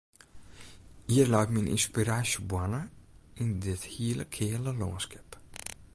Hjir leit myn ynspiraasjeboarne, yn dit hele keale lânskip.